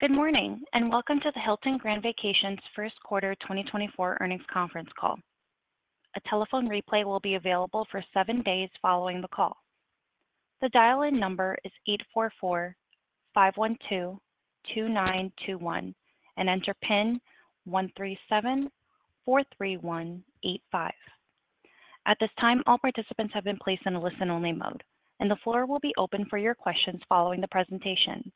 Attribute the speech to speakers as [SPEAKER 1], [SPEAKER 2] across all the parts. [SPEAKER 1] Good morning, and welcome to the Hilton Grand Vacations Q1 2024 earnings conference call. A telephone replay will be available for seven days following the call. The dial-in number is 844-512-2921, and enter PIN 13743185. At this time, all participants have been placed in a listen-only mode, and the floor will be open for your questions following the presentation.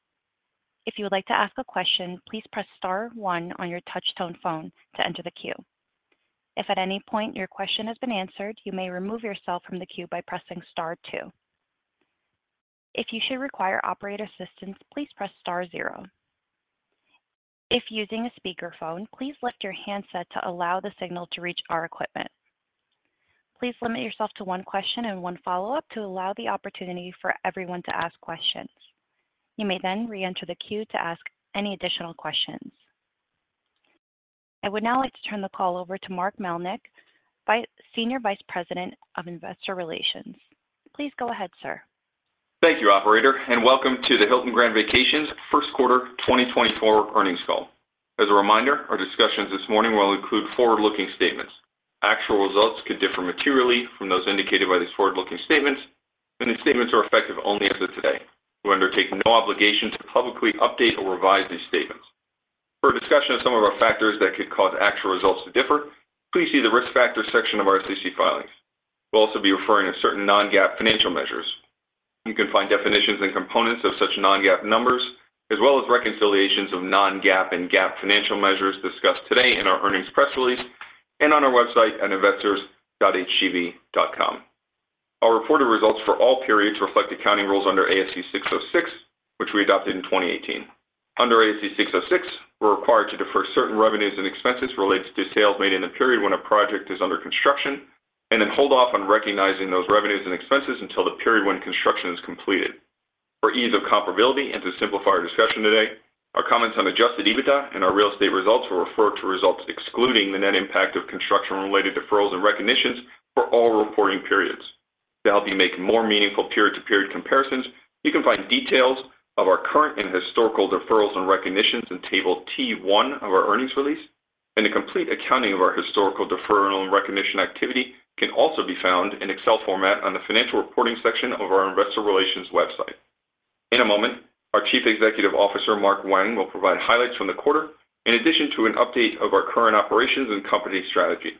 [SPEAKER 1] If you would like to ask a question, please press star one on your touchtone phone to enter the queue. If at any point your question has been answered, you may remove yourself from the queue by pressing star two. If you should require operator assistance, please press star zero. If using a speakerphone, please lift your handset to allow the signal to reach our equipment. Please limit yourself to one question and one follow-up to allow the opportunity for everyone to ask questions. You may then reenter the queue to ask any additional questions. I would now like to turn the call over to Mark Melnyk, Senior Vice President of Investor Relations. Please go ahead, sir.
[SPEAKER 2] Thank you, operator, and welcome to the Hilton Grand Vacations Q1 2024 earnings call. As a reminder, our discussions this morning will include forward-looking statements. Actual results could differ materially from those indicated by these forward-looking statements, and these statements are effective only as of today. We undertake no obligation to publicly update or revise these statements. For a discussion of some of our factors that could cause actual results to differ, please see the Risk Factors section of our SEC filings. We'll also be referring to certain non-GAAP financial measures. You can find definitions and components of such non-GAAP numbers, as well as reconciliations of non-GAAP and GAAP financial measures discussed today in our earnings press release and on our website at investors.hgv.com. Our reported results for all periods reflect accounting rules under ASC 606, which we adopted in 2018. Under ASC 606, we're required to defer certain revenues and expenses related to sales made in the period when a project is under construction, and then hold off on recognizing those revenues and expenses until the period when construction is completed. For ease of comparability and to simplify our discussion today, our comments on Adjusted EBITDA and our real estate results will refer to results excluding the net impact of construction-related deferrals and recognitions for all reporting periods. To help you make more meaningful period-to-period comparisons, you can find details of our current and historical deferrals and recognitions in Table T-1 of our earnings release, and a complete accounting of our historical deferral and recognition activity can also be found in Excel format on the financial reporting section of our investor relations website. In a moment, our Chief Executive Officer, Mark Wang, will provide highlights from the quarter in addition to an update of our current operations and company strategy.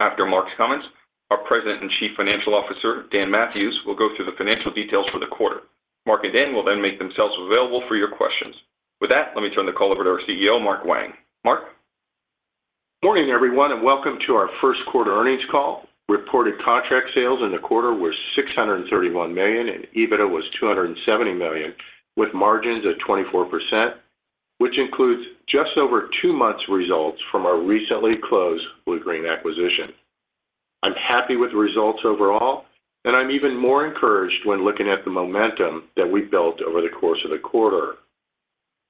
[SPEAKER 2] After Mark's comments, our President and Chief Financial Officer, Dan Mathewes, will go through the financial details for the quarter. Mark and Dan will then make themselves available for your questions. With that, let me turn the call over to our CEO, Mark Wang. Mark?
[SPEAKER 3] Morning, everyone, and welcome to our Q1 earnings call. Reported contract sales in the quarter were $631 million, and EBITDA was $270 million, with margins at 24%, which includes just over two months results from our recently closed Bluegreen acquisition. I'm happy with the results overall, and I'm even more encouraged when looking at the momentum that we've built over the course of the quarter.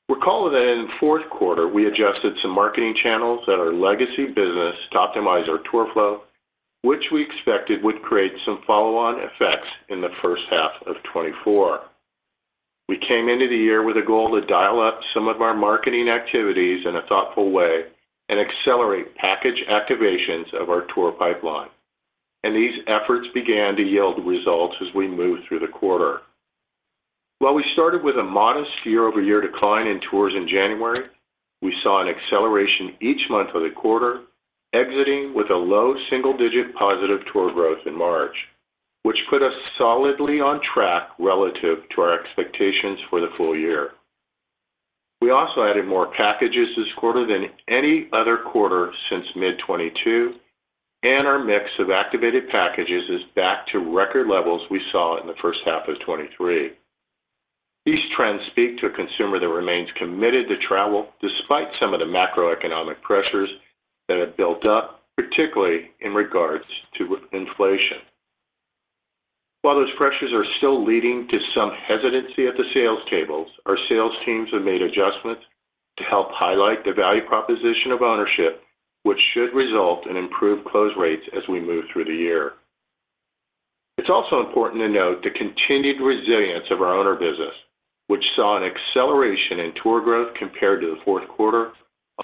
[SPEAKER 3] Recall that in the Q4, we adjusted some marketing channels at our legacy business to optimize our tour flow, which we expected would create some follow-on effects in the H1 of 2024. We came into the year with a goal to dial up some of our marketing activities in a thoughtful way and accelerate package activations of our tour pipeline, and these efforts began to yield results as we moved through the quarter. While we started with a modest year-over-year decline in tours in January, we saw an acceleration each month of the quarter, exiting with a low single-digit positive tour growth in March, which put us solidly on track relative to our expectations for the full year. We also added more packages this quarter than any other quarter since mid-2022, and our mix of activated packages is back to record levels we saw in the H1 of 2023. These trends speak to a consumer that remains committed to travel despite some of the macroeconomic pressures that have built up, particularly in regards to inflation. While those pressures are still leading to some hesitancy at the sales tables, our sales teams have made adjustments to help highlight the value proposition of ownership, which should result in improved close rates as we move through the year. It's also important to note the continued resilience of our owner business, which saw an acceleration in tour growth compared to the Q4,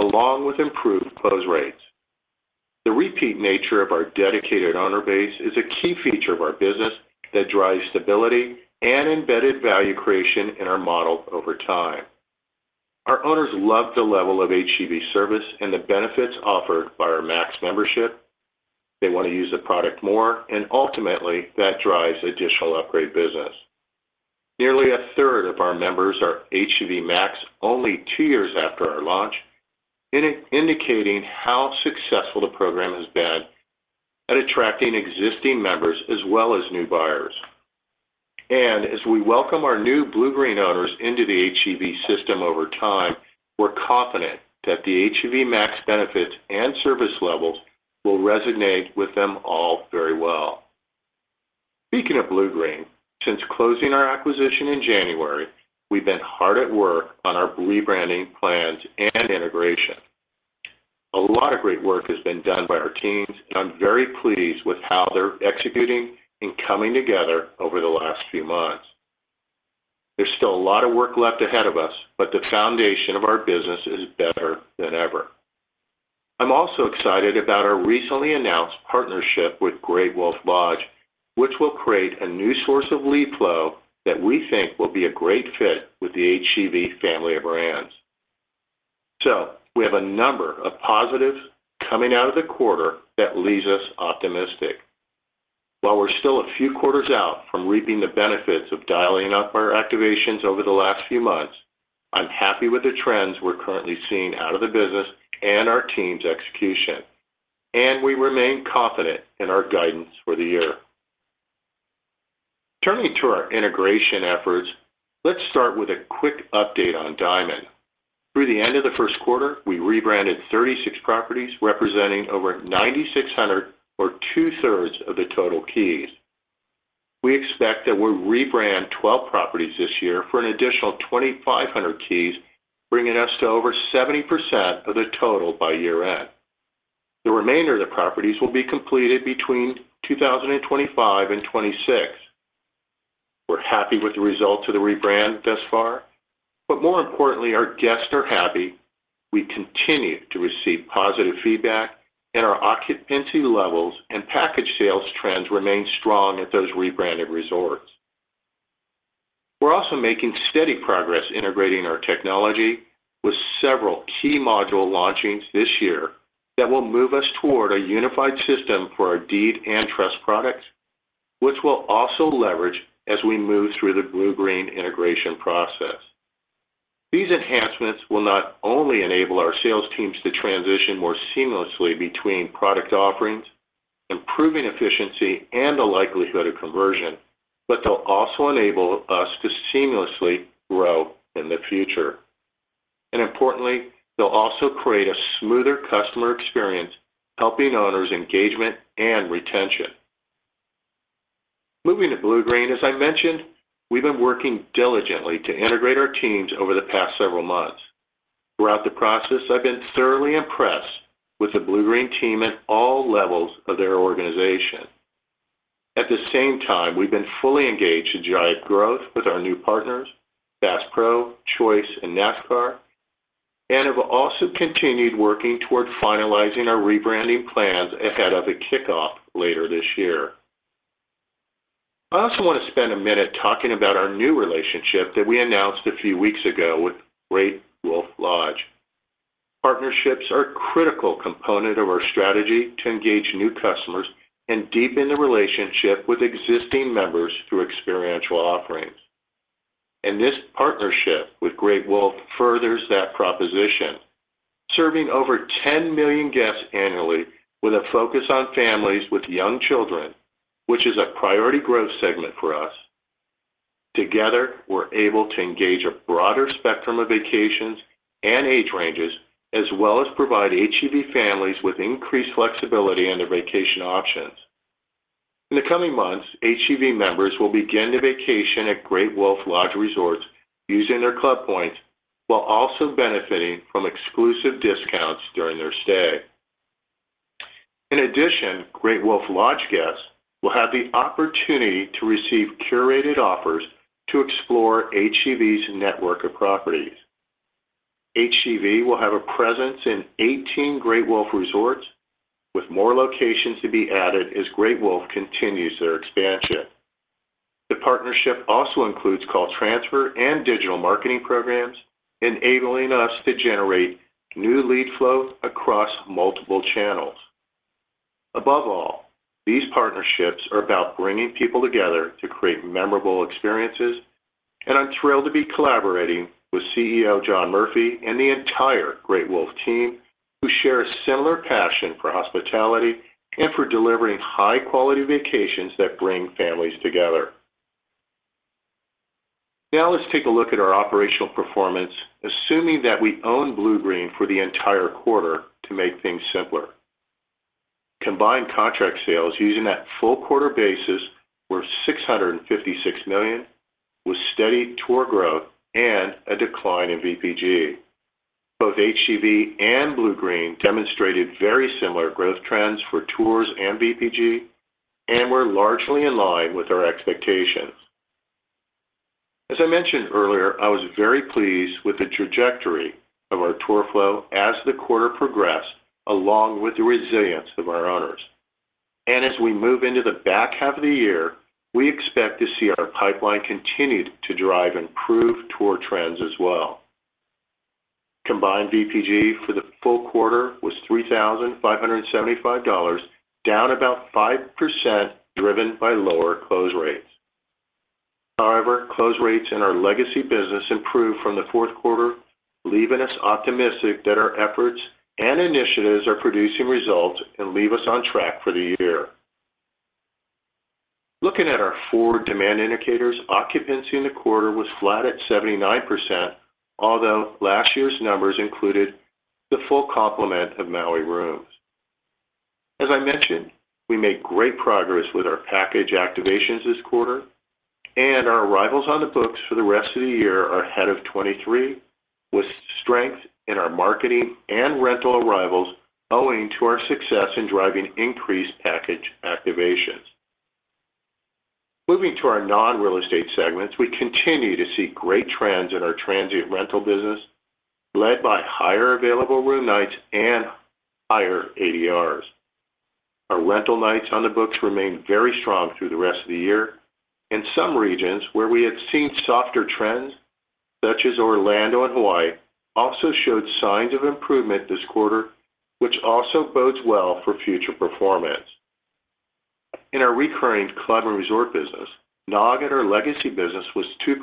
[SPEAKER 3] along with improved close rates. The repeat nature of our dedicated owner base is a key feature of our business that drives stability and embedded value creation in our model over time. Our owners love the level of HGV service and the benefits offered by our Max membership. They want to use the product more, and ultimately, that drives additional upgrade business. Nearly a third of our members are HGV Max only two years after our launch, indicating how successful the program has been at attracting existing members as well as new buyers. And as we welcome our new Bluegreen owners into the HGV system over time, we're confident that the HGV Max benefits and service levels will resonate with them all very well. Speaking of Bluegreen, since closing our acquisition in January, we've been hard at work on our rebranding plans and integration. A lot of great work has been done by our teams, and I'm very pleased with how they're executing and coming together over the last few months. There's still a lot of work left ahead of us, but the foundation of our business is better than ever. I'm also excited about our recently announced partnership with Great Wolf Lodge, which will create a new source of lead flow that we think will be a great fit with the HGV family of brands. So we have a number of positives coming out of the quarter that leaves us optimistic. While we're still a few quarters out from reaping the benefits of dialing up our activations over the last few months, I'm happy with the trends we're currently seeing out of the business and our team's execution, and we remain confident in our guidance for the year. Turning to our integration efforts, let's start with a quick update on Diamond. Through the end of the Q1, we rebranded 36 properties, representing over 9,600, or two-thirds of the total keys. We expect that we'll rebrand 12 properties this year for an additional 2,500 keys, bringing us to over 70% of the total by year-end. The remainder of the properties will be completed between 2025 and 2026. We're happy with the results of the rebrand thus far, but more importantly, our guests are happy. We continue to receive positive feedback, and our occupancy levels and package sales trends remain strong at those rebranded resorts. We're also making steady progress integrating our technology with several key module launchings this year that will move us toward a unified system for our deed and trust products, which we'll also leverage as we move through the Bluegreen integration process. These enhancements will not only enable our sales teams to transition more seamlessly between product offerings, improving efficiency and the likelihood of conversion, but they'll also enable us to seamlessly grow in the future. And importantly, they'll also create a smoother customer experience, helping owners' engagement and retention. Moving to Bluegreen, as I mentioned, we've been working diligently to integrate our teams over the past several months. Throughout the process, I've been thoroughly impressed with the Bluegreen team at all levels of their organization. At the same time, we've been fully engaged in drive growth with our new partners, Bass Pro, Choice, and NASCAR, and have also continued working toward finalizing our rebranding plans ahead of the kickoff later this year. I also want to spend a minute talking about our new relationship that we announced a few weeks ago with Great Wolf Lodge. Partnerships are a critical component of our strategy to engage new customers and deepen the relationship with existing members through experiential offerings. This partnership with Great Wolf furthers that proposition, serving over 10 million guests annually with a focus on families with young children, which is a priority growth segment for us. Together, we're able to engage a broader spectrum of vacations and age ranges, as well as provide HGV families with increased flexibility in their vacation options. In the coming months, HGV members will begin to vacation at Great Wolf Lodge resorts using their club points, while also benefiting from exclusive discounts during their stay. In addition, Great Wolf Lodge guests will have the opportunity to receive curated offers to explore HGV's network of properties. HGV will have a presence in 18 Great Wolf resorts, with more locations to be added as Great Wolf continues their expansion. The partnership also includes call transfer and digital marketing programs, enabling us to generate new lead flow across multiple channels. Above all, these partnerships are about bringing people together to create memorable experiences, and I'm thrilled to be collaborating with CEO John Murphy and the entire Great Wolf team, who share a similar passion for hospitality and for delivering high-quality vacations that bring families together. Now let's take a look at our operational performance, assuming that we own Bluegreen for the entire quarter to make things simpler. Combined contract sales using that full quarter basis were $656 million, with steady tour growth and a decline in VPG. Both HGV and Bluegreen demonstrated very similar growth trends for tours and VPG, and were largely in line with our expectations. As I mentioned earlier, I was very pleased with the trajectory of our tour flow as the quarter progressed, along with the resilience of our owners. As we move into the back half of the year, we expect to see our pipeline continue to drive improved tour trends as well. Combined VPG for the full quarter was $3,575, down about 5%, driven by lower close rates. However, close rates in our legacy business improved from the Q4, leaving us optimistic that our efforts and initiatives are producing results and leave us on track for the year. Looking at our four demand indicators, occupancy in the quarter was flat at 79%, although last year's numbers included the full complement of Maui rooms. As I mentioned, we made great progress with our package activations this quarter, and our arrivals on the books for the rest of the year are ahead of 2023, with strength in our marketing and rental arrivals, owing to our success in driving increased package activations. Moving to our non-real estate segments, we continue to see great trends in our transient rental business, led by higher available room nights and higher ADRs. Our rental nights on the books remain very strong through the rest of the year. In some regions where we had seen softer trends, such as Orlando and Hawaii, also showed signs of improvement this quarter, which also bodes well for future performance. In our recurring club and resort business, NOG at our legacy business was 2%,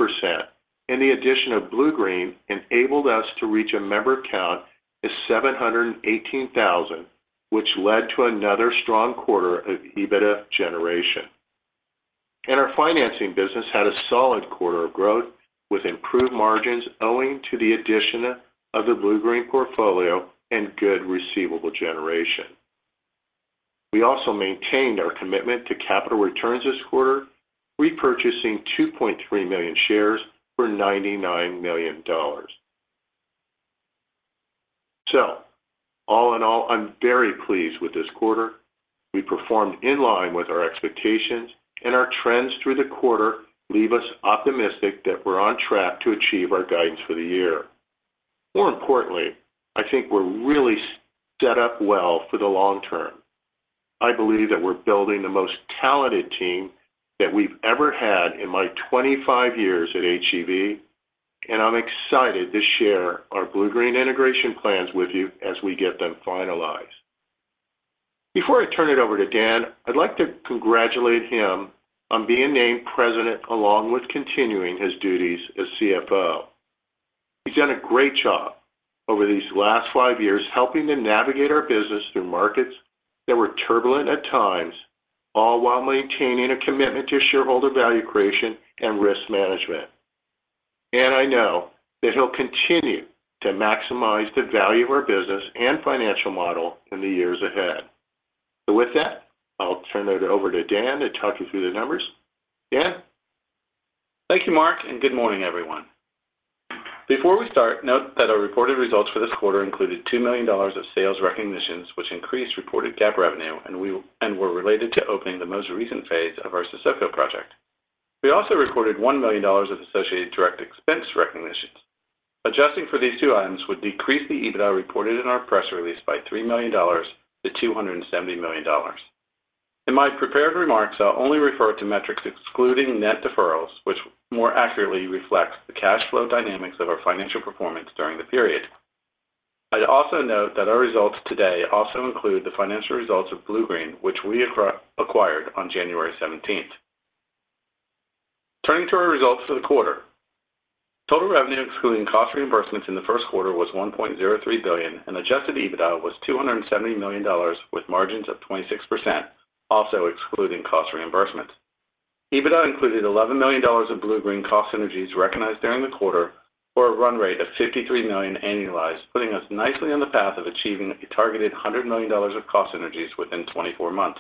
[SPEAKER 3] and the addition of Bluegreen enabled us to reach a member count of 718,000, which led to another strong quarter of EBITDA generation. Our financing business had a solid quarter of growth, with improved margins owing to the addition of the Bluegreen portfolio and good receivable generation. We also maintained our commitment to capital returns this quarter, repurchasing 2.3 million shares for $99 million. So all in all, I'm very pleased with this quarter. We performed in line with our expectations, and our trends through the quarter leave us optimistic that we're on track to achieve our guidance for the year. More importantly, I think we're really set up well for the long term. I believe that we're building the most talented team that we've ever had in my 25 years at HGV, and I'm excited to share our Bluegreen integration plans with you as we get them finalized. Before I turn it over to Dan, I'd like to congratulate him on being named President, along with continuing his duties as CFO. He's done a great job over these last five years, helping to navigate our business through markets that were turbulent at times, all while maintaining a commitment to shareholder value creation and risk management. And I know that he'll continue to maximize the value of our business and financial model in the years ahead. So with that, I'll turn it over to Dan to talk you through the numbers. Dan?
[SPEAKER 4] Thank you, Mark, and good morning, everyone. Before we start, note that our reported results for this quarter included $2 million of sales recognitions, which increased reported GAAP revenue, and were related to opening the most recent phase of our Sesoko project. We also recorded $1 million of associated direct expense recognitions. Adjusting for these two items would decrease the EBITDA reported in our press release by $3 million to $270 million. In my prepared remarks, I'll only refer to metrics excluding net deferrals, which more accurately reflects the cash flow dynamics of our financial performance during the period. I'd also note that our results today also include the financial results of Bluegreen, which we acquired on January seventeenth. Turning to our results for the quarter. Total revenue, excluding cost reimbursements in the Q1, was $1.03 billion, and adjusted EBITDA was $270 million, with margins of 26%, also excluding cost reimbursement. EBITDA included $11 million of Bluegreen cost synergies recognized during the quarter, for a run rate of $53 million annualized, putting us nicely on the path of achieving a targeted $100 million of cost synergies within 24 months.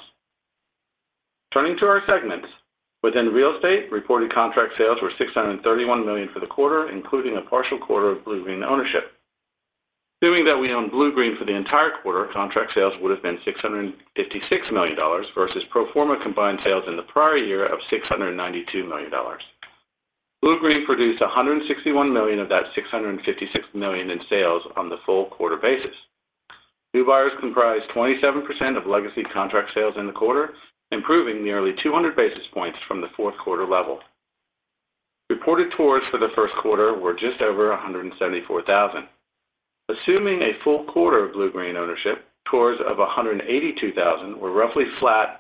[SPEAKER 4] Turning to our segments. Within real estate, reported contract sales were $631 million for the quarter, including a partial quarter of Bluegreen ownership. Assuming that we own Bluegreen for the entire quarter, contract sales would have been $656 million versus pro forma combined sales in the prior year of $692 million. Bluegreen produced $161 million of that $656 million in sales on the full quarter basis. New buyers comprised 27% of legacy contract sales in the quarter, improving nearly 200 basis points from the Q4 level. Reported tours for the Q1 were just over 174,000. Assuming a full quarter of Bluegreen ownership, tours of 182,000 were roughly flat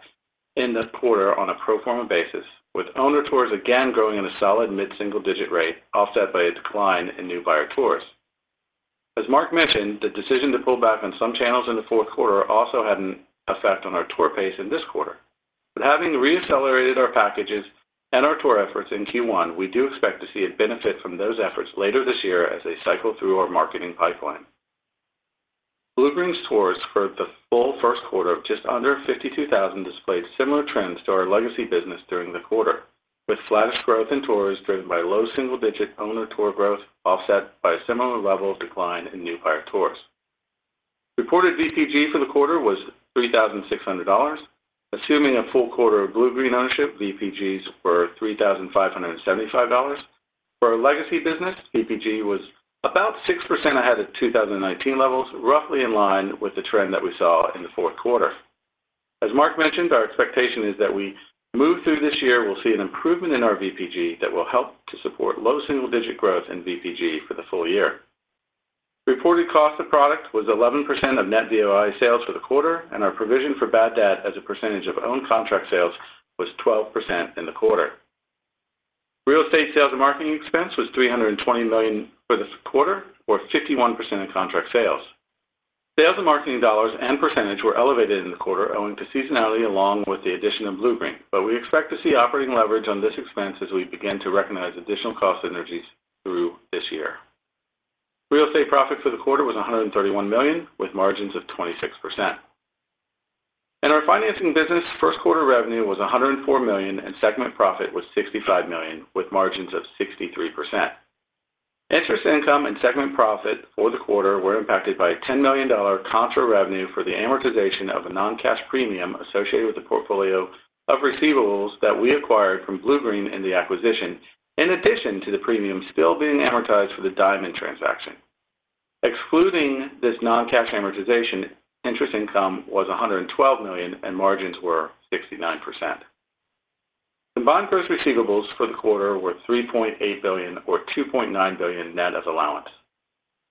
[SPEAKER 4] in the quarter on a pro forma basis, with owner tours again growing at a solid mid-single-digit rate, offset by a decline in new buyer tours. As Mark mentioned, the decision to pull back on some channels in the Q4 also had an effect on our tour pace in this quarter. But having re-accelerated our packages and our tour efforts in Q1, we do expect to see a benefit from those efforts later this year as they cycle through our marketing pipeline. Bluegreen's tours for the full Q1 of just under 52,000 displayed similar trends to our legacy business during the quarter, with flattish growth in tours driven by low single-digit owner tour growth, offset by a similar level of decline in new buyer tours. Reported VPG for the quarter was $3,600. Assuming a full quarter of Bluegreen ownership, VPGs were $3,575. For our legacy business, VPG was about 6% ahead of 2019 levels, roughly in line with the trend that we saw in the Q4. As Mark mentioned, our expectation is that we move through this year, we'll see an improvement in our VPG that will help to support low single-digit growth in VPG for the full year. Reported cost of product was 11% of net VOI sales for the quarter, and our provision for bad debt as a percentage of owned contract sales was 12% in the quarter. Real estate sales and marketing expense was $320 million for this quarter, or 51% of contract sales. Sales and marketing dollars and percentage were elevated in the quarter, owing to seasonality along with the addition of Bluegreen. But we expect to see operating leverage on this expense as we begin to recognize additional cost synergies through this year. Real estate profit for the quarter was $131 million, with margins of 26%. In our financing business, Q1 revenue was $104 million, and segment profit was $65 million, with margins of 63%. Interest income and segment profit for the quarter were impacted by a $10 million contra revenue for the amortization of a non-cash premium associated with the portfolio of receivables that we acquired from Bluegreen in the acquisition, in addition to the premium still being amortized for the Diamond transaction. Excluding this non-cash amortization, interest income was $112 million, and margins were 69%. The bond gross receivables for the quarter were $3.8 billion or $2.9 billion net of allowance.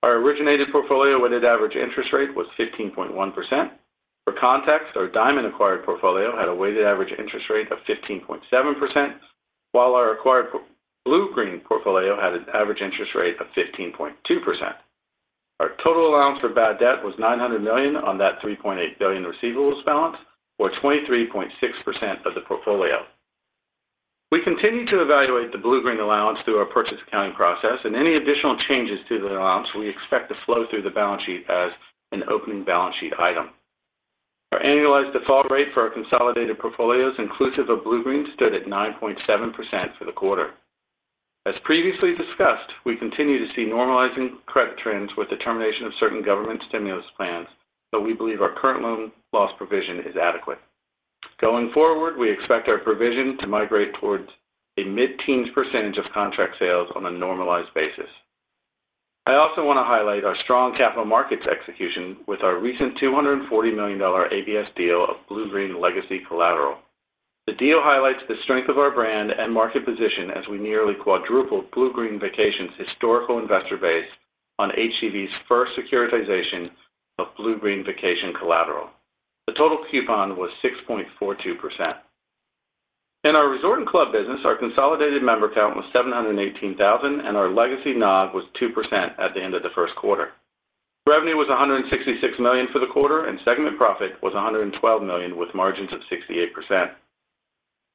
[SPEAKER 4] Our originated portfolio weighted average interest rate was 15.1%. For context, our Diamond acquired portfolio had a weighted average interest rate of 15.7%, while our acquired Bluegreen portfolio had an average interest rate of 15.2%. Our total allowance for bad debt was $900 million on that $3.8 billion receivables balance, or 23.6% of the portfolio. We continue to evaluate the Bluegreen allowance through our purchase accounting process, and any additional changes to the allowance we expect to flow through the balance sheet as an opening balance sheet item. Our annualized default rate for our consolidated portfolios, inclusive of Bluegreen, stood at 9.7% for the quarter. As previously discussed, we continue to see normalizing credit trends with the termination of certain government stimulus plans, but we believe our current loan loss provision is adequate. Going forward, we expect our provision to migrate towards a mid-teens percentage of contract sales on a normalized basis. I also want to highlight our strong capital markets execution with our recent $240 million ABS deal of Bluegreen legacy collateral. The deal highlights the strength of our brand and market position as we nearly quadrupled Bluegreen Vacations' historical investor base on HGV's first securitization of Bluegreen Vacations collateral. The total coupon was 6.42%. In our resort and club business, our consolidated member count was 718,000, and our legacy NOG was 2% at the end of the Q1. Revenue was $166 million for the quarter, and segment profit was $112 million, with margins of 68%.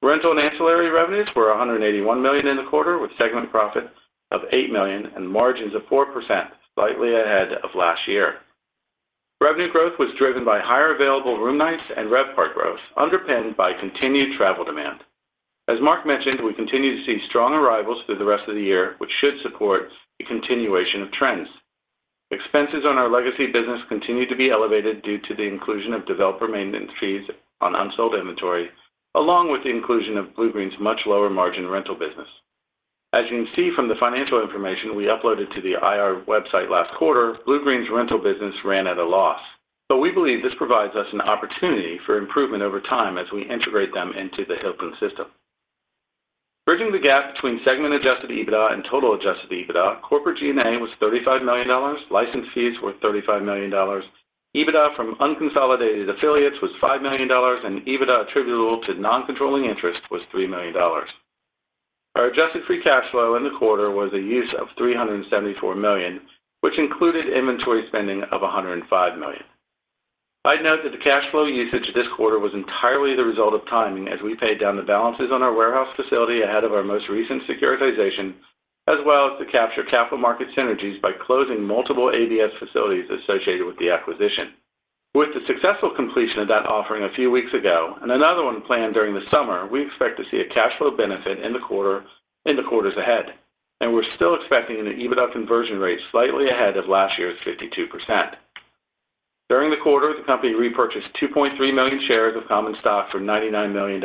[SPEAKER 4] Rental and ancillary revenues were $181 million in the quarter, with segment profits of $8 million and margins of 4%, slightly ahead of last year. Revenue growth was driven by higher available room nights and RevPAR growth, underpinned by continued travel demand. As Mark mentioned, we continue to see strong arrivals through the rest of the year, which should support the continuation of trends. Expenses on our legacy business continue to be elevated due to the inclusion of developer maintenance fees on unsold inventory, along with the inclusion of Bluegreen's much lower margin rental business. As you can see from the financial information we uploaded to the IR website last quarter, Bluegreen's rental business ran at a loss, but we believe this provides us an opportunity for improvement over time as we integrate them into the Hilton system. Bridging the gap between segment adjusted EBITDA and total adjusted EBITDA, corporate G&A was $35 million, license fees were $35 million, EBITDA from unconsolidated affiliates was $5 million, and EBITDA attributable to non-controlling interest was $3 million. Our adjusted free cash flow in the quarter was a use of $374 million, which included inventory spending of $105 million. I'd note that the cash flow usage this quarter was entirely the result of timing, as we paid down the balances on our warehouse facility ahead of our most recent securitization, as well as to capture capital market synergies by closing multiple ABS facilities associated with the acquisition. With the successful completion of that offering a few weeks ago and another one planned during the summer, we expect to see a cash flow benefit in the quarters ahead, and we're still expecting an EBITDA conversion rate slightly ahead of last year's 52%. During the quarter, the company repurchased 2.3 million shares of common stock for $99 million,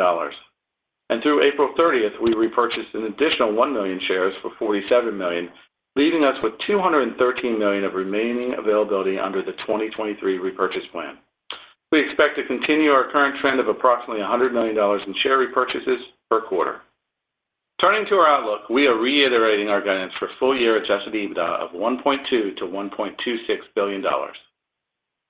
[SPEAKER 4] and through April thirtieth, we repurchased an additional 1 million shares for $47 million, leaving us with 213 million of remaining availability under the 2023 repurchase plan. We expect to continue our current trend of approximately $100 million in share repurchases per quarter. Turning to our outlook, we are reiterating our guidance for full-year adjusted EBITDA of $1.2 billion-$1.26 billion.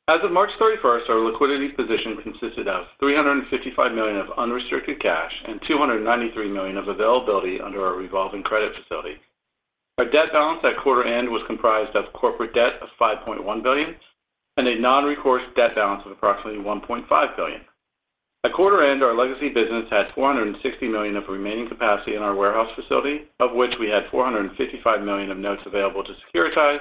[SPEAKER 4] As of March 31, our liquidity position consisted of $355 million of unrestricted cash and $293 million of availability under our revolving credit facility. Our debt balance at quarter end was comprised of corporate debt of $5.1 billion and a non-recourse debt balance of approximately $1.5 billion. At quarter end, our legacy business had $460 million of remaining capacity in our warehouse facility, of which we had $455 million of notes available to securitize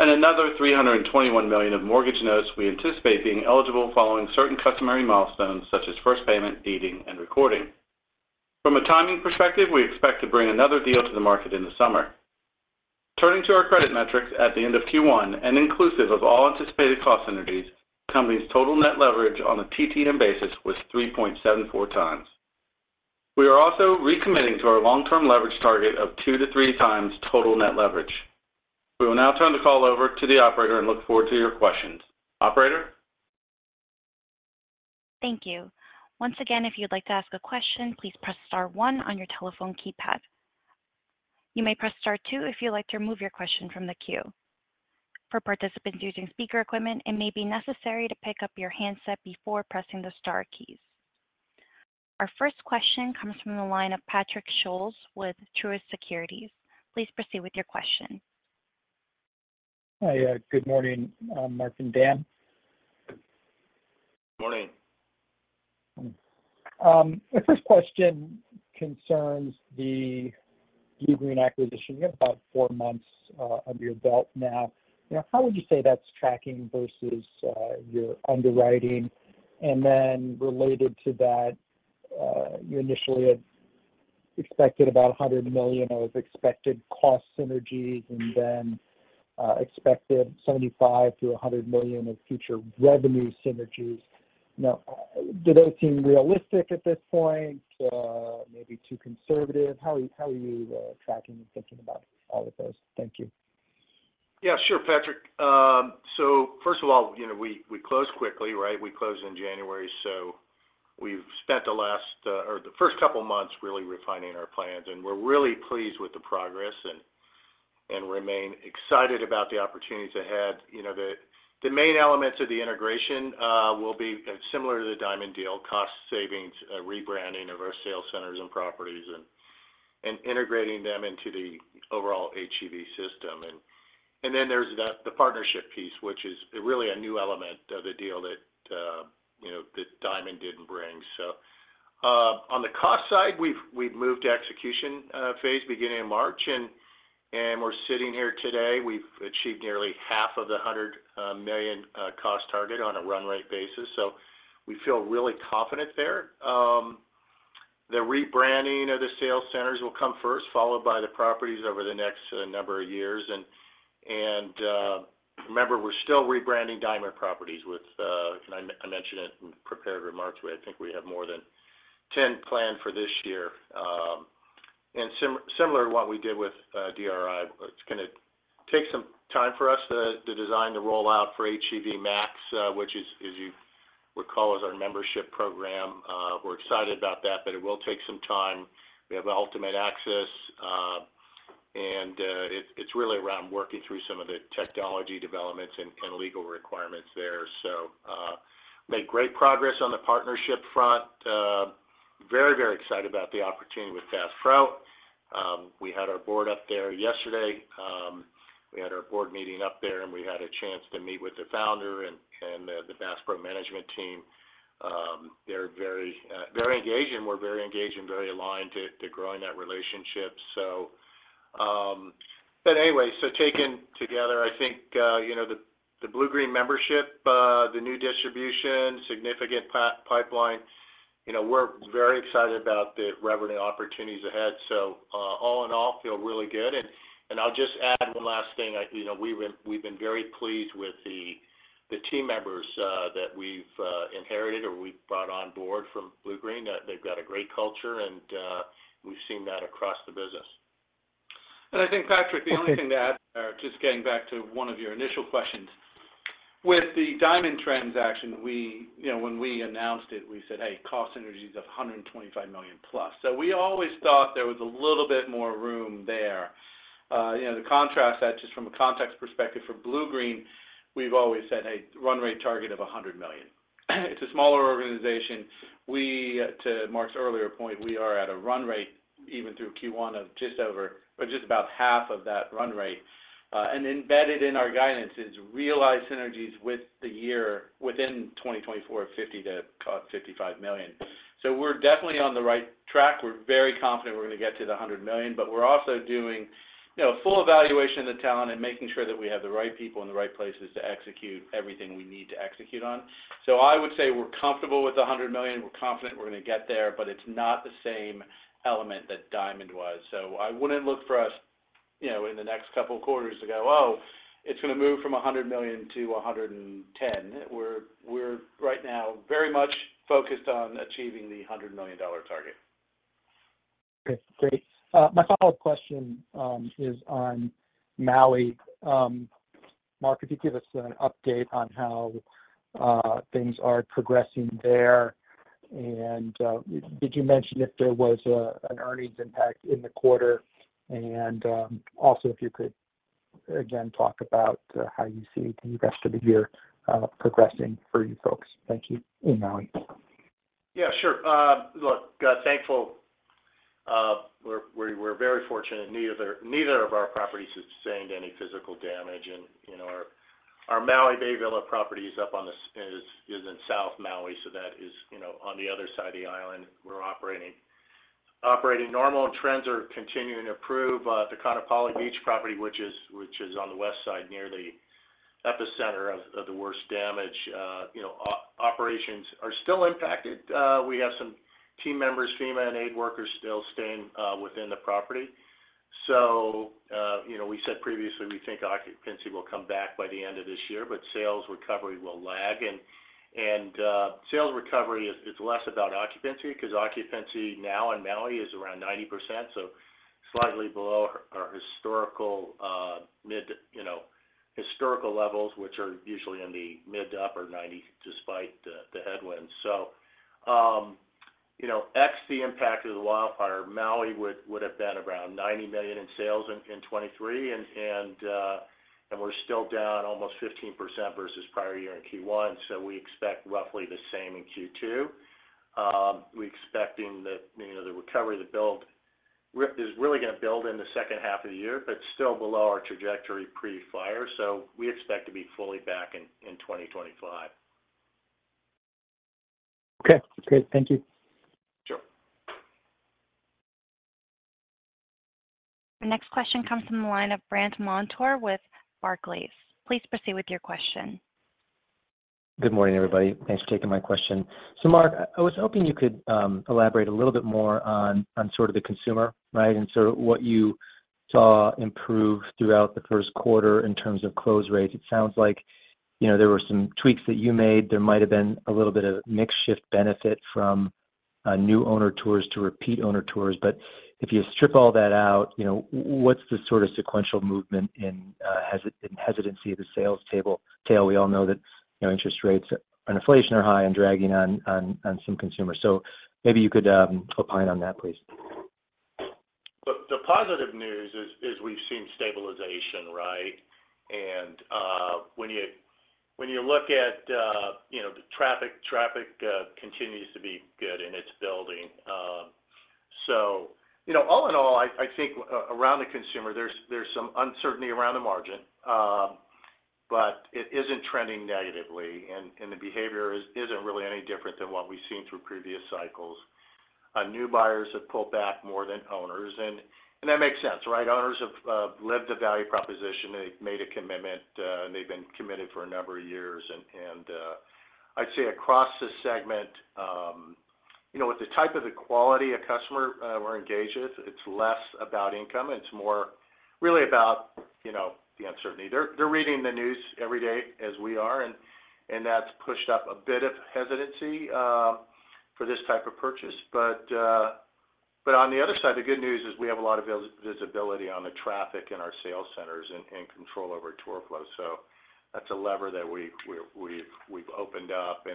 [SPEAKER 4] and another $321 million of mortgage notes we anticipate being eligible following certain customary milestones, such as first payment, deeding, and recording. From a timing perspective, we expect to bring another deal to the market in the summer. Turning to our credit metrics at the end of Q1 and inclusive of all anticipated cost synergies, the company's total net leverage on a TTM basis was 3.74 times. We are also recommitting to our long-term leverage target of 2-3x total net leverage. We will now turn the call over to the operator and look forward to your questions. Operator?
[SPEAKER 1] Thank you. Once again, if you'd like to ask a question, please press star one on your telephone keypad. You may press star two if you'd like to remove your question from the queue. For participants using speaker equipment, it may be necessary to pick up your handset before pressing the star keys. Our first question comes from the line of Patrick Scholes with Truist Securities. Please proceed with your question.
[SPEAKER 5] Hi, good morning, Mark and Dan.
[SPEAKER 3] Morning.
[SPEAKER 5] The first question concerns the Bluegreen acquisition. You have about four months under your belt now. You know, how would you say that's tracking versus your underwriting? And then related to that, you initially had expected about $100 million of expected cost synergies and then expected $75 million-$100 million of future revenue synergies. Now, do they seem realistic at this point? Maybe too conservative. How are you tracking and thinking about all of those? Thank you.
[SPEAKER 3] Yeah, sure, Patrick. So first of all, you know, we closed quickly, right? We closed in January, so we've spent the last, or the first couple of months really refining our plans, and we're really pleased with the progress and remain excited about the opportunities ahead. You know, the main elements of the integration will be similar to the Diamond deal, cost savings, rebranding of our sales centers and properties and integrating them into the overall HGV system. And then there's the partnership piece, which is really a new element of the deal that, you know, that Diamond didn't bring. So on the cost side, we've moved to execution phase beginning in March, and we're sitting here today. We've achieved nearly half of the $100 million cost target on a run rate basis, so we feel really confident there. The rebranding of the sales centers will come first, followed by the properties over the next number of years. And remember, we're still rebranding Diamond properties with, and I mentioned it in prepared remarks. I think we have more than 10 planned for this year. And similar to what we did with DRI, it's gonna take some time for us to design the rollout for HGV Max, which, as you would call, is our membership program. We're excited about that, but it will take some time. We have Ultimate Access, and it's really around working through some of the technology developments and legal requirements there. So, made great progress on the partnership front. Very, very excited about the opportunity with Bass Pro. We had our board up there yesterday. We had our board meeting up there, and we had a chance to meet with the founder and the Bass Pro management team. They're very, very engaged, and we're very engaged and very aligned to growing that relationship. So, but anyway, so taken together, I think, you know, the Bluegreen membership, the new distribution, significant pipeline, you know, we're very excited about the revenue opportunities ahead. So, all in all, feel really good. And I'll just add one last thing. You know, we've been very pleased with the team members that we've inherited or we've brought on board from Bluegreen. They've got a great culture, and we've seen that across the business.
[SPEAKER 4] I think, Patrick, the only thing to add, just getting back to one of your initial questions. With the Diamond transaction, we... You know, when we announced it, we said, hey, cost synergies of $125 million plus. So we always thought there was a little bit more room there. You know, the contrast that, just from a context perspective, for Bluegreen, we've always said, "Hey, run rate target of $100 million." It's a smaller organization. We, to Mark's earlier point, we are at a run rate even through Q1 of just over or just about half of that run rate. And embedded in our guidance is realized synergies with the year within 2024, $50 million-$55 million. So we're definitely on the right track. We're very confident we're gonna get to the $100 million, but we're also doing, you know, full evaluation of the talent and making sure that we have the right people in the right places to execute everything we need to execute on. So I would say we're comfortable with the $100 million. We're confident we're gonna get there, but it's not the same element that Diamond was. So I wouldn't look for us, you know, in the next couple of quarters to go, Oh, it's gonna move from $100 million to $110 million. We're right now very much focused on achieving the $100 million dollar target.
[SPEAKER 5] Okay, great. My follow-up question is on Maui. Mark, could you give us an update on how things are progressing there? Did you mention if there was an earnings impact in the quarter? Also, if you could, again, talk about how you see the rest of the year progressing for you folks. Thank you. In Maui.
[SPEAKER 3] Yeah, sure. Look, thankfully, we're very fortunate neither of our properties sustained any physical damage, and, you know, our Maui Bay Villas property is in South Maui, so that is, you know, on the other side of the island. We're operating normal. Trends are continuing to improve. The Ka'anapali Beach property, which is on the west side, near the epicenter of the worst damage, you know, operations are still impacted. We have some team members, FEMA and aid workers, still staying within the property. So, you know, we said previously, we think occupancy will come back by the end of this year, but sales recovery will lag. Sales recovery is less about occupancy, because occupancy now in Maui is around 90%, so slightly below our historical mid- you know, historical levels, which are usually in the mid- to upper 90%, despite the headwinds. So, you know, ex the impact of the wildfire, Maui would have been around $90 million in sales in 2023, and we're still down almost 15% versus prior year in Q1, so we expect roughly the same in Q2. We're expecting that, you know, the recovery, the build, is really going to build in the H2 of the year, but still below our trajectory pre-fire. So we expect to be fully back in, in 2025.
[SPEAKER 5] Okay, great. Thank you.
[SPEAKER 4] Sure.
[SPEAKER 1] Our next question comes from the line of Brandt Montour with Barclays. Please proceed with your question.
[SPEAKER 6] Good morning, everybody. Thanks for taking my question. So Mark, I was hoping you could elaborate a little bit more on, on sort of the consumer, right? And so what you saw improve throughout the Q1 in terms of close rates. It sounds like, you know, there were some tweaks that you made. There might have been a little bit of mix shift benefit from new owner tours to repeat owner tours. But if you strip all that out, you know, what's the sort of sequential movement in hesitancy of the sales tail? We all know that, you know, interest rates and inflation are high and dragging on, on some consumers. So maybe you could opine on that, please.
[SPEAKER 3] Look, the positive news is we've seen stabilization, right? And when you look at, you know, the traffic continues to be good and it's building. So you know, all in all, I think around the consumer, there's some uncertainty around the margin, but it isn't trending negatively, and the behavior isn't really any different than what we've seen through previous cycles. New buyers have pulled back more than owners, and that makes sense, right? Owners have lived the value proposition, they've made a commitment, and they've been committed for a number of years. And I'd say across this segment, you know, with the type of the quality a customer we're engaged with, it's less about income, and it's more really about, you know, the uncertainty. They're reading the news every day as we are, and that's pushed up a bit of hesitancy for this type of purchase. But on the other side, the good news is we have a lot of visibility on the traffic in our sales centers and control over tour flow. So that's a lever that we've opened up.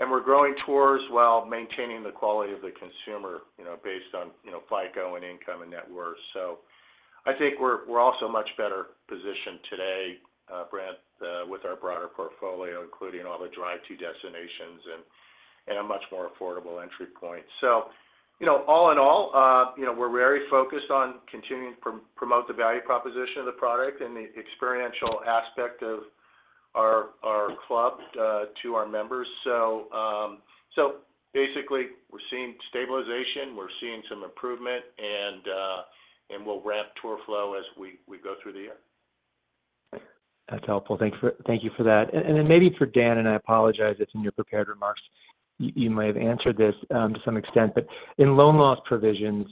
[SPEAKER 3] And we're growing tours while maintaining the quality of the consumer, you know, based on, you know, FICO and income and net worth. So I think we're also much better positioned today, Brandt, with our broader portfolio, including all the drive to destinations and a much more affordable entry point. So, you know, all in all, you know, we're very focused on continuing to promote the value proposition of the product and the experiential aspect of our club to our members. So, basically, we're seeing stabilization, we're seeing some improvement, and we'll ramp tour flow as we go through the year.
[SPEAKER 6] That's helpful. Thanks for – thank you for that. And then maybe for Dan, and I apologize if in your prepared remarks, you may have answered this to some extent. But in loan loss provisions,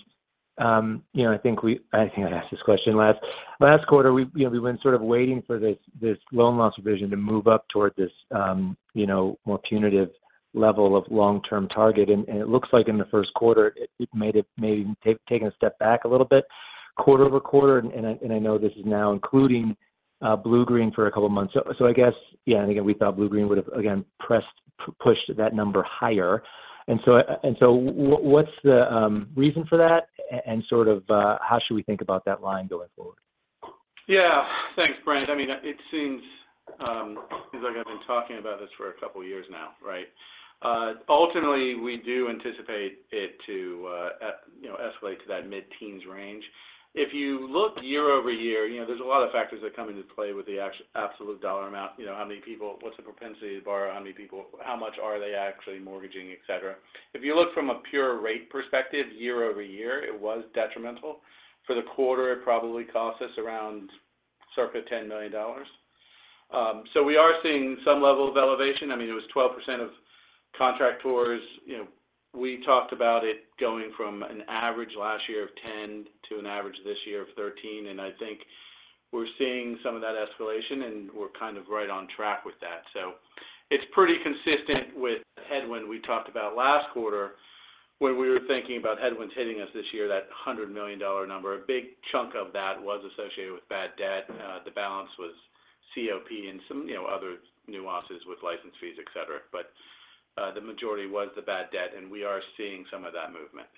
[SPEAKER 6] you know, I think I asked this question last quarter. We, you know, we've been sort of waiting for this loan loss provision to move up toward this, you know, more punitive level of long-term target, and it looks like in the Q1, it may have taken a step back a little bit, quarter-over-quarter, and I know this is now including Bluegreen for a couple of months. So I guess, yeah, and again, we thought Bluegreen would have again pushed that number higher. And so, what’s the reason for that, and sort of how should we think about that line going forward?
[SPEAKER 4] Yeah. Thanks, Brandt. I mean, it seems like I've been talking about this for a couple of years now, right? Ultimately, we do anticipate it to you know, escalate to that mid-teens range. If you look year-over-year, you know, there's a lot of factors that come into play with the actual absolute dollar amount. You know, how many people? What's the propensity to borrow? How many people- how much are they actually mortgaging, et cetera? If you look from a pure rate perspective, year-over-year, it was detrimental. For the quarter, it probably cost us around circa $10 million. So we are seeing some level of elevation. I mean, it was 12% of contract tours. You know, we talked about it going from an average last year of 10 to an average this year of 13, and I think we're seeing some of that escalation, and we're kind of right on track with that. So it's pretty consistent with the headwind we talked about last quarter when we were thinking about headwinds hitting us this year, that $100 million number. A big chunk of that was associated with bad debt. The balance was COP and some, you know, other nuances with license fees, etc. But the majority was the bad debt, and we are seeing some of that movement.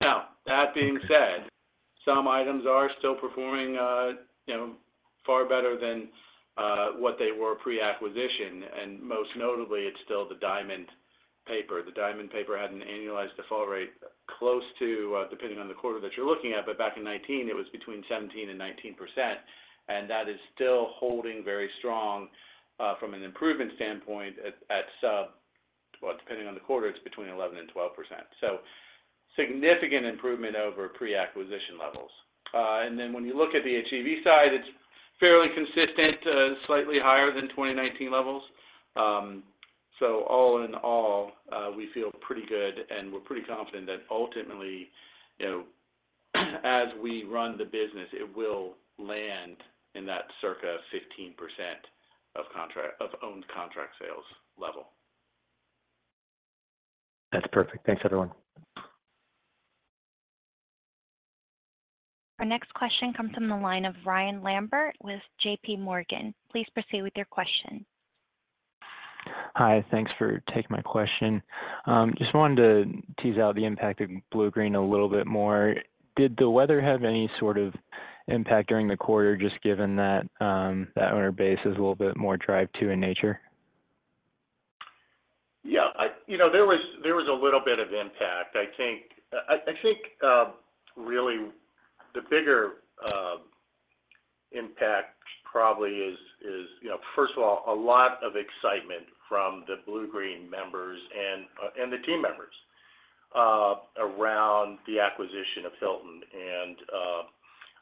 [SPEAKER 4] Now, that being said, some items are still performing, you know, far better than what they were pre-acquisition, and most notably, it's still the Diamond paper. The Diamond paper had an annualized default rate close to, depending on the quarter that you're looking at, but back in 2019, it was between 17%-19%, and that is still holding very strong from an improvement standpoint. Well, depending on the quarter, it's between 11%-12%. So significant improvement over pre-acquisition levels. And then when you look at the HGV side, it's fairly consistent, slightly higher than 2019 levels. So all in all, we feel pretty good, and we're pretty confident that ultimately, you know, as we run the business, it will land in that circa 15% of contract - of owned contract sales level.
[SPEAKER 6] That's perfect. Thanks, everyone.
[SPEAKER 1] Our next question comes from the line of Ryan Lambert with JPMorgan. Please proceed with your question.
[SPEAKER 7] Hi, thanks for taking my question. Just wanted to tease out the impact of Bluegreen a little bit more. Did the weather have any sort of impact during the quarter, just given that, that owner base is a little bit more drive to in nature?
[SPEAKER 3] Yeah, I, you know, there was a little bit of impact. I think really the bigger impact probably is, you know, first of all, a lot of excitement from the Bluegreen members and the team members around the acquisition of Hilton. And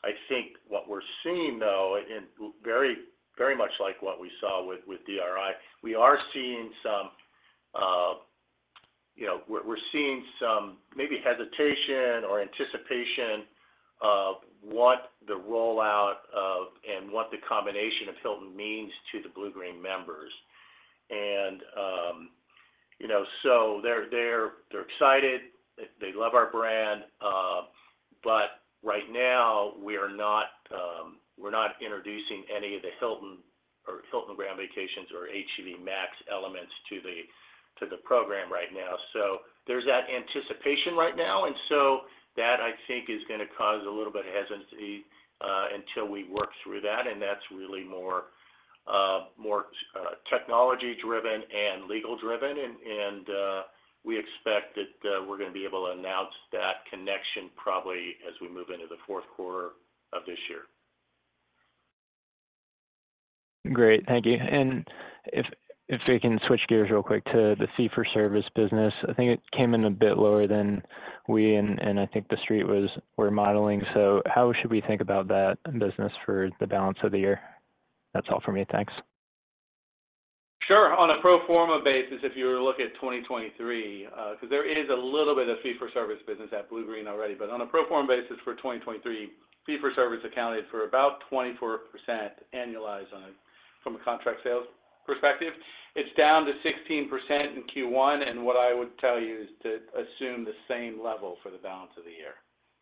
[SPEAKER 3] I think what we're seeing, though, and very, very much like what we saw with DRI, we are seeing some, you know, we're seeing some maybe hesitation or anticipation of what the rollout of and what the combination of Hilton means to the Bluegreen members. And, you know, so they're excited. They love our brand, but right now, we are not, we're not introducing any of the Hilton or Hilton Grand Vacations or HGV Max elements to the program right now. So there's that anticipation right now, and so that, I think, is gonna cause a little bit of hesitancy until we work through that, and that's really more so technology driven and legal driven, and we expect that we're gonna be able to announce that connection probably as we move into the Q4 of this year.
[SPEAKER 7] Great. Thank you. And if we can switch gears real quick to the fee for service business, I think it came in a bit lower than we and I think the street were modeling. So how should we think about that business for the balance of the year? That's all for me. Thanks.
[SPEAKER 3] Sure. On a pro forma basis, if you were to look at 2023, 'cause there is a little bit of fee-for-service business at Bluegreen already, but on a pro forma basis for 2023, fee for service accounted for about 24% annualized on it from a contract sales perspective. It's down to 16% in Q1, and what I would tell you is to assume the same level for the balance of the year.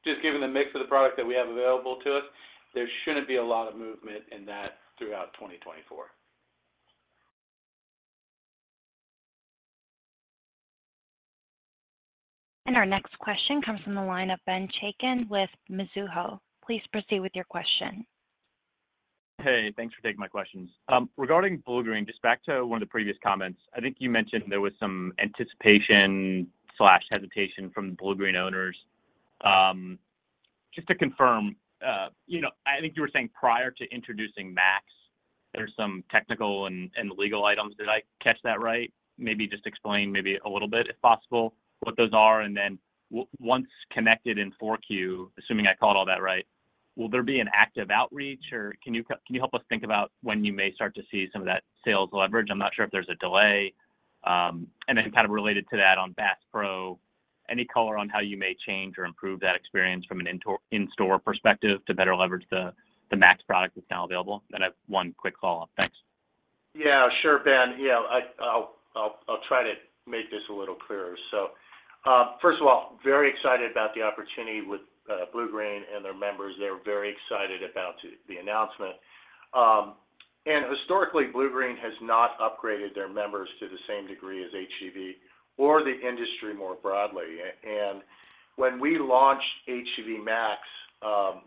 [SPEAKER 3] Just given the mix of the product that we have available to us, there shouldn't be a lot of movement in that throughout 2024.
[SPEAKER 1] Our next question comes from the line of Ben Chaiken with Mizuho. Please proceed with your question.
[SPEAKER 8] Hey, thanks for taking my questions. Regarding Bluegreen, just back to one of the previous comments, I think you mentioned there was some anticipation slash hesitation from Bluegreen owners. Just to confirm, you know, I think you were saying prior to introducing Max, there's some technical and legal items. Did I catch that right? Maybe just explain maybe a little bit, if possible, what those are, and then once connected in 4Q, assuming I caught all that right, will there be an active outreach, or can you help us think about when you may start to see some of that sales leverage? I'm not sure if there's a delay. Kind of related to that on Bass Pro, any color on how you may change or improve that experience from an in-store perspective to better leverage the Max product that's now available? Then I have one quick follow-up. Thanks.
[SPEAKER 3] Yeah, sure, Ben. Yeah, I'll try to make this a little clearer. So, first of all, very excited about the opportunity with Bluegreen and their members. They're very excited about the announcement. And historically, Bluegreen has not upgraded their members to the same degree as HGV or the industry more broadly. And when we launched HGV Max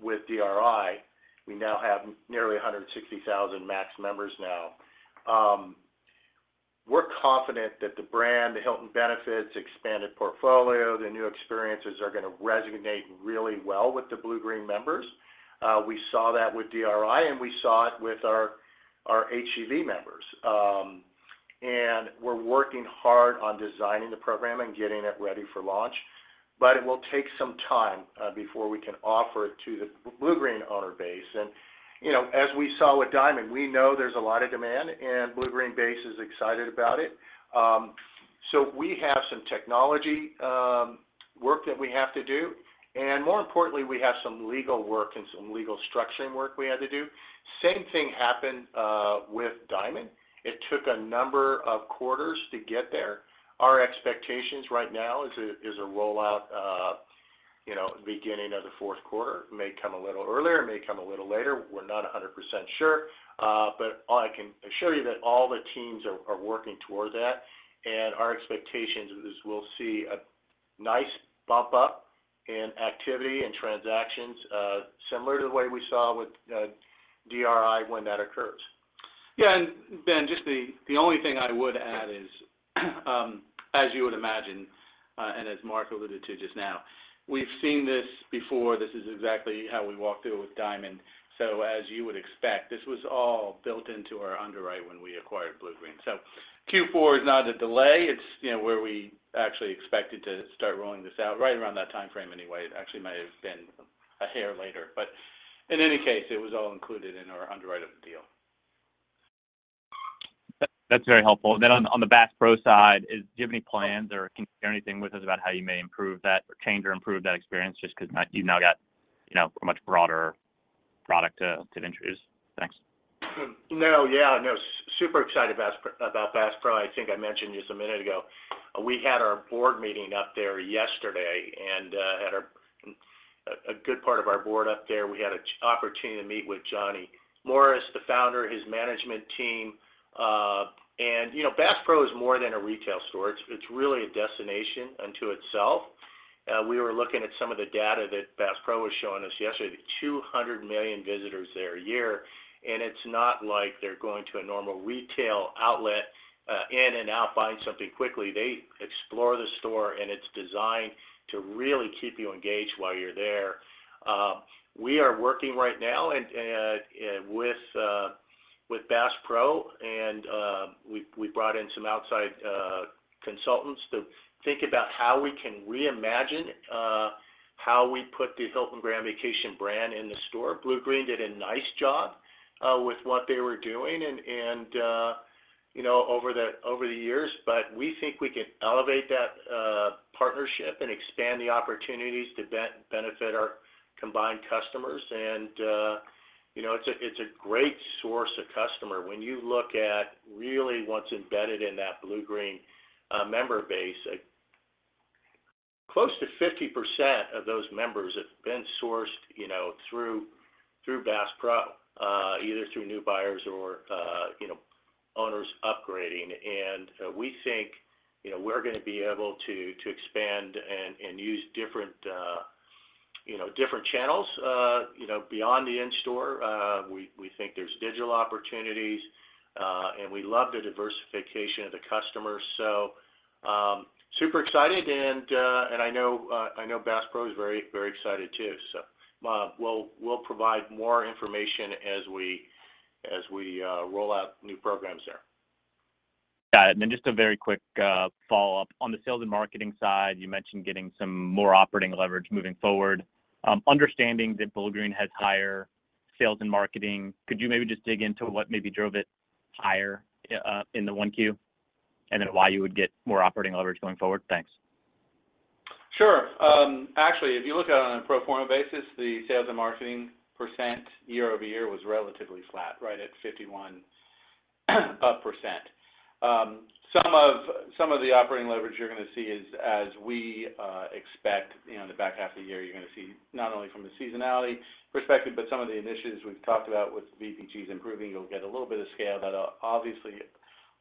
[SPEAKER 3] with DRI, we now have nearly 160,000 Max members now. We're confident that the brand, the Hilton benefits, expanded portfolio, the new experiences are gonna resonate really well with the Bluegreen members. We saw that with DRI, and we saw it with our HGV members. And we're working hard on designing the program and getting it ready for launch, but it will take some time before we can offer it to the Bluegreen owner base. And, you know, as we saw with Diamond, we know there's a lot of demand, and Bluegreen base is excited about it. So we have some technology work that we have to do, and more importantly, we have some legal work and some legal structuring work we had to do. Same thing happened with Diamond. It took a number of quarters to get there. Our expectations right now is a rollout, you know, beginning of the Q4. May come a little earlier, it may come a little later. We're not 100% sure, but all I can assure you that all the teams are working toward that, and our expectations is we'll see a nice bump up in activity and transactions, similar to the way we saw with DRI when that occurs.
[SPEAKER 4] Yeah, and Ben, just the only thing I would add is, as you would imagine, and as Mark alluded to just now, we've seen this before. This is exactly how we walked through it with Diamond. So as you would expect, this was all built into our underwrite when we acquired Bluegreen. So Q4 is not a delay, it's, you know, where we actually expected to start rolling this out right around that time frame anyway. It actually may have been a hair later, but in any case, it was all included in our underwrite of the deal.
[SPEAKER 8] That, that's very helpful. And then on, on the Bass Pro side, is, do you have any plans or can you share anything with us about how you may improve that or change or improve that experience just 'cause now you've now got, you know, a much broader product to, to introduce? Thanks.
[SPEAKER 3] No, yeah, no, super excited about Bass Pro. I think I mentioned this a minute ago. We had our board meeting up there yesterday and had a good part of our board up there. We had an opportunity to meet with Johnny Morris, the founder, his management team. And, you know, Bass Pro is more than a retail store. It's really a destination unto itself. We were looking at some of the data that Bass Pro was showing us yesterday, 200 million visitors there a year, and it's not like they're going to a normal retail outlet, in and out, buying something quickly. They explore the store, and it's designed to really keep you engaged while you're there. We are working right now and with Bass Pro, and we brought in some outside consultants to think about how we can reimagine how we put the Hilton Grand Vacation brand in the store. Bluegreen did a nice job with what they were doing and, you know, over the years, but we think we can elevate that partnership and expand the opportunities to benefit our combined customers. And, you know, it's a great source of customer. When you look at really what's embedded in that Bluegreen member base, close to 50% of those members have been sourced, you know, through Bass Pro, either through new buyers or, you know, owners upgrading. And we think, you know, we're gonna be able to expand and use different, you know, different channels, you know, beyond the in-store. We think there's digital opportunities, and we love the diversification of the customer. So, super excited, and I know, I know Bass Pro is very, very excited too. So, we'll provide more information as we roll out new programs there.
[SPEAKER 8] Got it. And then just a very quick follow-up. On the sales and marketing side, you mentioned getting some more operating leverage moving forward. Understanding that Bluegreen has higher sales and marketing, could you maybe just dig into what maybe drove it higher in 1Q? And then why you would get more operating leverage going forward? Thanks.
[SPEAKER 3] Sure. Actually, if you look at it on a pro forma basis, the sales and marketing percent year-over-year was relatively flat, right at 51%. Some of the operating leverage you're gonna see is as we expect, you know, in the back half of the year, you're gonna see not only from the seasonality perspective, but some of the initiatives we've talked about with VPGs improving. You'll get a little bit of scale that obviously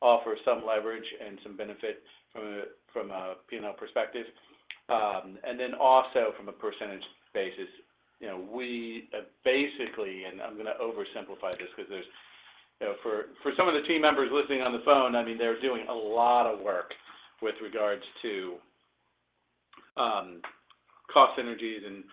[SPEAKER 3] offer some leverage and some benefits from a P&L perspective. And then also from a percentage basis, you know, we basically, and I'm gonna oversimplify this because there's... You know, for some of the team members listening on the phone, I mean, they're doing a lot of work with regards to cost synergies and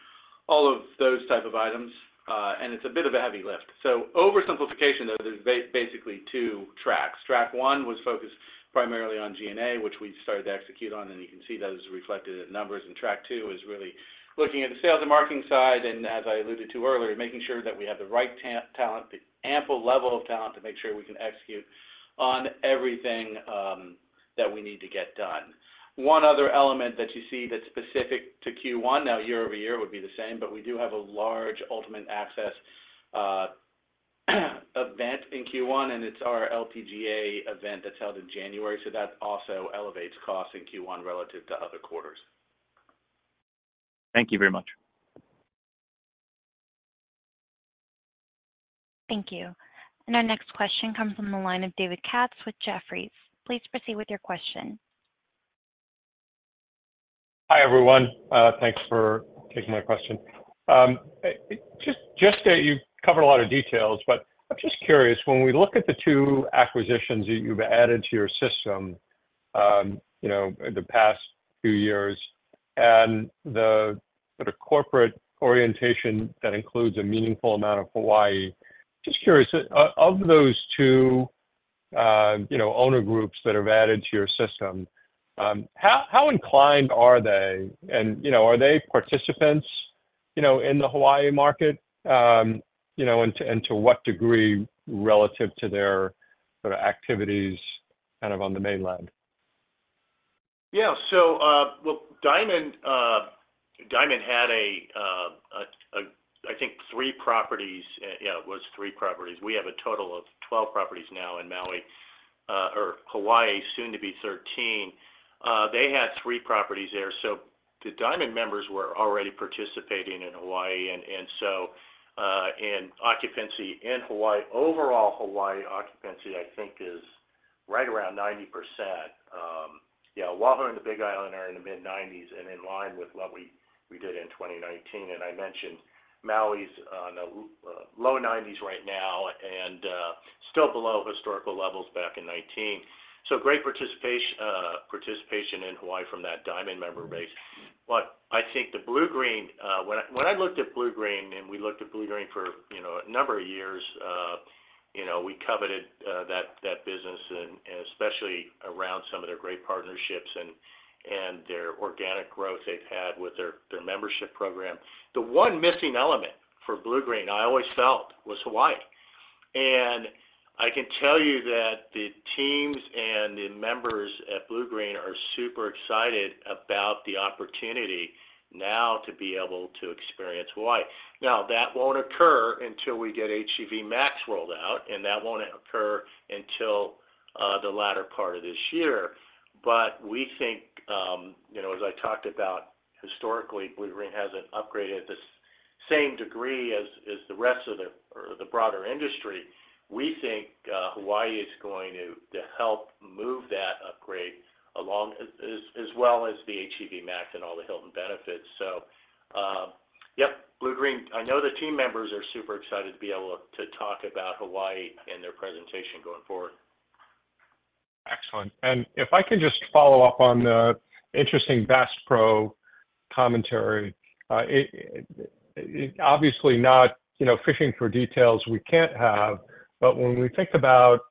[SPEAKER 3] all of those type of items, and it's a bit of a heavy lift. So oversimplification, though, there's basically two tracks. Track one was focused primarily on G&A, which we started to execute on, and you can see that is reflected in the numbers. And track two is really looking at the sales and marketing side, and as I alluded to earlier, making sure that we have the right talent, the ample level of talent to make sure we can execute on everything that we need to get done. One other element that you see that's specific to Q1, now year over year would be the same, but we do have a large ultimate access event in Q1, and it's our LPGA event that's held in January, so that also elevates costs in Q1 relative to other quarters.
[SPEAKER 8] Thank you very much.
[SPEAKER 1] Thank you. And our next question comes from the line of David Katz with Jefferies. Please proceed with your question.
[SPEAKER 9] Hi, everyone. Thanks for taking my question. Just that you've covered a lot of details, but I'm just curious, when we look at the two acquisitions that you've added to your system, you know, in the past few years, and the sort of corporate orientation that includes a meaningful amount of Hawaii, just curious, of those two, you know, owner groups that have added to your system, how inclined are they? And, you know, are they participants, you know, in the Hawaii market? You know, and to what degree relative to their sort of activities kind of on the mainland?
[SPEAKER 3] Yeah. So, well, Diamond had a, I think three properties. Yeah, it was three properties. We have a total of 12 properties now in Maui, or Hawaii, soon to be 13. They had three properties there, so the Diamond members were already participating in Hawaii, and so, and occupancy in Hawaii, overall Hawaii occupancy, I think, is right around 90%. Yeah, Oahu and the Big Island are in the mid-90s and in line with what we did in 2019. And I mentioned Maui's on the, low 90s right now and, still below historical levels back in 2019. So great participation in Hawaii from that Diamond member base. But I think the Bluegreen, when I, when I looked at Bluegreen, and we looked at Bluegreen for, you know, a number of years, you know, we coveted, that, that business and, and especially around some of their great partnerships and, and their organic growth they've had with their, their membership program. The one missing element for Bluegreen, I always felt, was Hawaii. And I can tell you that the teams and the members at Bluegreen are super excited about the opportunity now to be able to experience Hawaii. Now, that won't occur until we get HGV Max rolled out, and that won't occur until, the latter part of this year. But we think, you know, as I talked about historically, Bluegreen hasn't upgraded this... same degree as the rest of the, or the broader industry, we think, Hawaii is going to help move that upgrade along as well as the HGV Max and all the Hilton benefits. So, yep, Bluegreen, I know the team members are super excited to be able to talk about Hawaii in their presentation going forward.
[SPEAKER 9] Excellent. And if I can just follow up on the interesting Bass Pro commentary, it obviously not, you know, fishing for details we can't have, but when we think about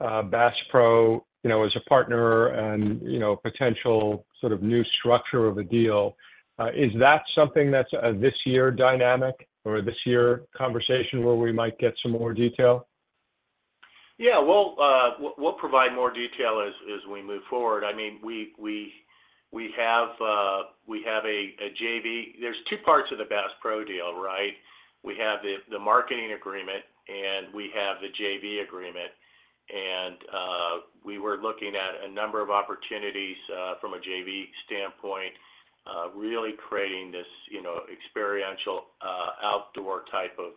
[SPEAKER 9] Bass Pro, you know, as a partner and, you know, potential sort of new structure of a deal, is that something that's a this year dynamic or this year conversation where we might get some more detail?
[SPEAKER 3] Yeah, we'll provide more detail as we move forward. I mean, we have a JV. There's two parts of the Bass Pro deal, right? We have the marketing agreement, and we have the JV agreement, and we were looking at a number of opportunities from a JV standpoint, really creating this, you know, experiential outdoor type of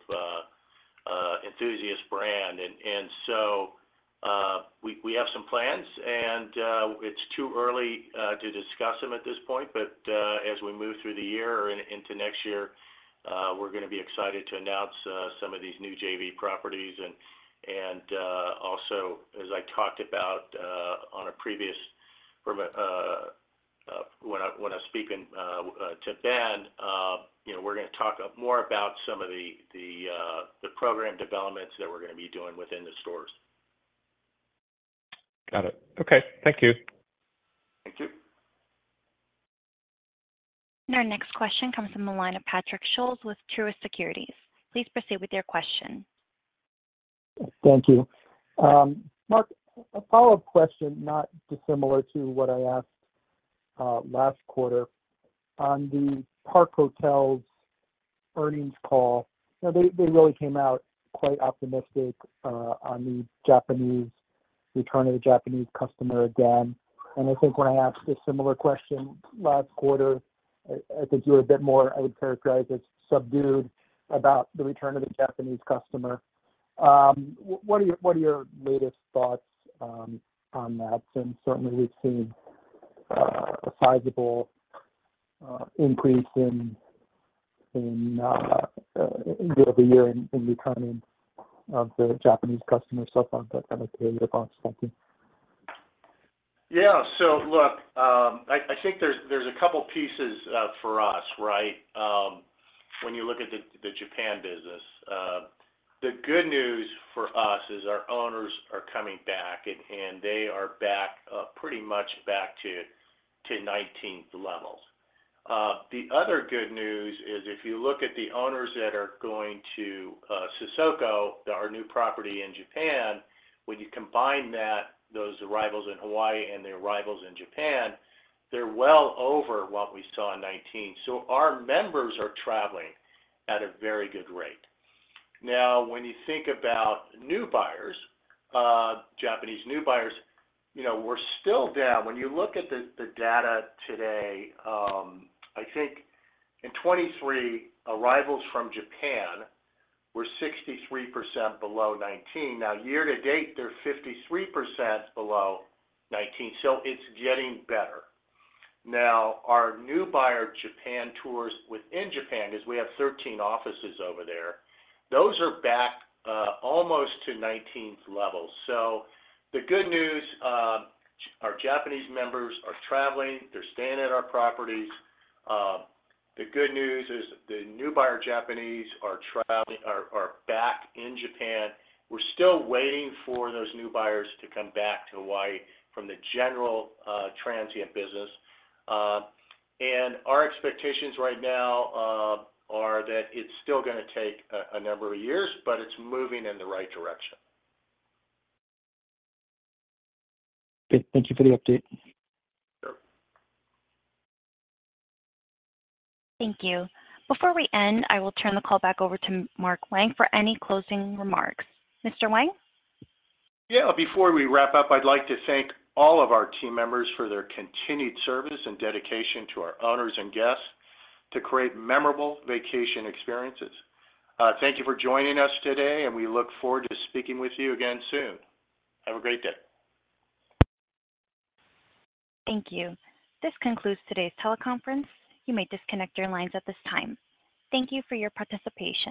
[SPEAKER 3] enthusiast brand. And so, we have some plans, and it's too early to discuss them at this point, but as we move through the year and into next year, we're gonna be excited to announce some of these new JV properties. Also, as I talked about on a previous from a when I was speaking to Ben, you know, we're gonna talk up more about some of the program developments that we're gonna be doing within the stores.
[SPEAKER 9] Got it. Okay. Thank you.
[SPEAKER 3] Thank you.
[SPEAKER 1] Our next question comes from the line of Patrick Scholes with Truist Securities. Please proceed with your question.
[SPEAKER 5] Thank you. Mark, a follow-up question, not dissimilar to what I asked last quarter. On the Park Hotels & Resorts earnings call, you know, they really came out quite optimistic on the Japanese return of the Japanese customer again. And I think when I asked a similar question last quarter, I think you were a bit more, I would characterize it, subdued about the return of the Japanese customer. What are your latest thoughts on that? And certainly, we've seen a sizable increase in year-over-year in the return of the Japanese customers so far. But I'd like to hear your thoughts. Thank you.
[SPEAKER 3] Yeah. So look, I think there's a couple pieces for us, right? When you look at the Japan business, the good news for us is our owners are coming back, and they are back pretty much back to 2019 levels. The other good news is if you look at the owners that are going to Sesoko, our new property in Japan, when you combine that, those arrivals in Hawaii and the arrivals in Japan, they're well over what we saw in 2019. So our members are traveling at a very good rate. Now, when you think about new buyers, Japanese new buyers, you know, we're still down. When you look at the data today, I think in 2023, arrivals from Japan were 63% below 2019. Now, year to date, they're 53% below 2019, so it's getting better. Now, our new buyer Japan tours within Japan is we have 13 offices over there. Those are back almost to 2019 levels. So the good news, our Japanese members are traveling, they're staying at our properties. The good news is the new buyer Japanese are traveling are back in Japan. We're still waiting for those new buyer to come back to Hawaii from the general transient business. And our expectations right now are that it's still gonna take a number of years, but it's moving in the right direction.
[SPEAKER 5] Okay. Thank you for the update.
[SPEAKER 3] Sure.
[SPEAKER 1] Thank you. Before we end, I will turn the call back over to Mark Wang for any closing remarks. Mr. Wang?
[SPEAKER 3] Yeah, before we wrap up, I'd like to thank all of our team members for their continued service and dedication to our owners and guests to create memorable vacation experiences. Thank you for joining us today, and we look forward to speaking with you again soon. Have a great day.
[SPEAKER 1] Thank you. This concludes today's teleconference. You may disconnect your lines at this time. Thank you for your participation.